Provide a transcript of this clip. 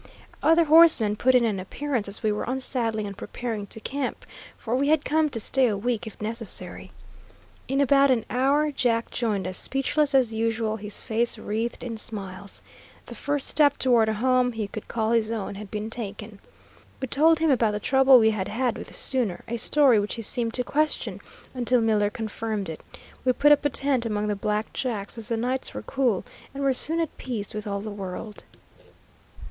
Other horsemen put in an appearance as we were unsaddling and preparing to camp, for we had come to stay a week if necessary. In about an hour Jack joined us, speechless as usual, his face wreathed in smiles. The first step toward a home he could call his own had been taken. We told him about the trouble we had had with the sooner, a story which he seemed to question, until Miller confirmed it. We put up a tent among the black jacks, as the nights were cool, and were soon at peace with all the world.